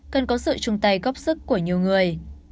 cần có sự chung tay góp sức của nhiều người